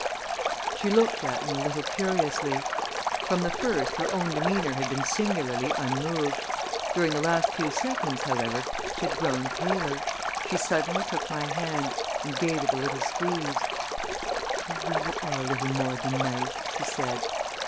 She looked at me a little curiously. From the first her own demeanor had been singularly unmoved. During the last few seconds, however, she had grown paler. She suddenly took my hand and gave it a little squeeze. "You really are a little more than nice!" she said.